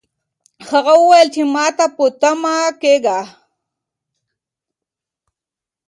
هغه وویل چې ماته په تمه مه کېږئ.